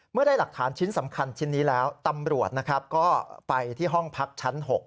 ได้หลักฐานชิ้นสำคัญชิ้นนี้แล้วตำรวจนะครับก็ไปที่ห้องพักชั้น๖